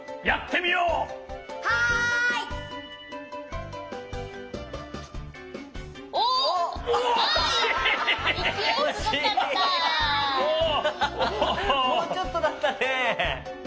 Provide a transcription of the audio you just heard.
もうちょっとだったね。